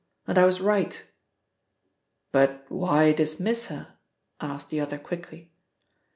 And I was right." "But why dismiss her?" asked the other quickly.